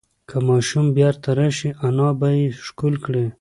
که ماشوم بیرته راشي، انا به یې ښکل کړي.